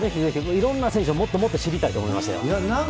いろんな選手をもっと知りたいと思いましたよ。